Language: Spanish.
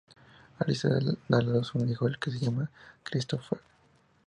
Alicia da a luz un hijo, al que llama Christopher.